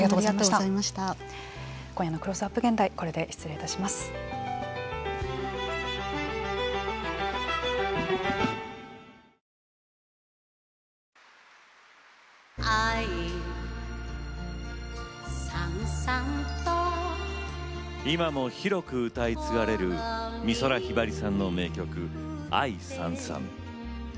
今も広く歌い継がれる美空ひばりさんの名曲「愛燦燦」。